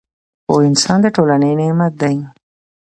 پوه انسان د ټولنې نعمت دی